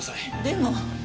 でも。